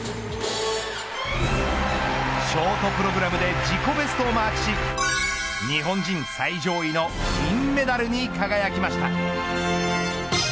ショートプログラムで自己ベストをマークし日本人最上位の銀メダルに輝きました。